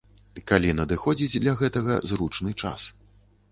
Калі надыходзіць для гэтага зручны час.